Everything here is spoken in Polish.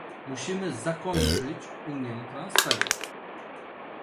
Musimy zakończyć unię transferów